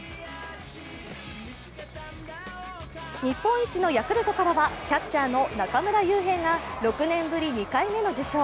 日本一のヤクルトからは、キャッチャーの中村悠平が６年ぶり２回目の受賞。